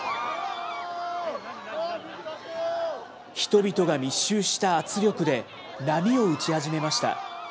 人々が密集した圧力で、波を打ち始めました。